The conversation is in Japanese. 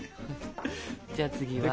じゃあ次は。